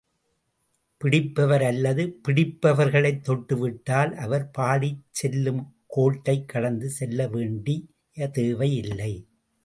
பிடிப்பவர் அல்லது பிடிப்பவர்களைத் தொட்டுவிட்டால், அவர் பாடிச் செல்லும் கோட்டைக் கடந்து செல்ல வேண்டிய தேவையில்லை.